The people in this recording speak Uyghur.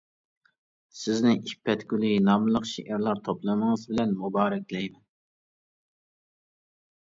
سىزنى «ئىپپەت گۈلى» ناملىق شېئىرلار توپلىمىڭىز بىلەن مۇبارەكلەيمەن.